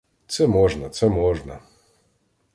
Це можна, це можна.